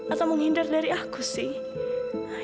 atau menghindar dari aku sih